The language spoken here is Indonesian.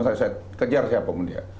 saya kejar siapa pun dia